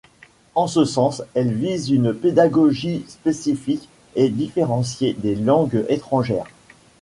En ce sens, elle vise une pédagogie spécifique et différenciée des langues étrangères.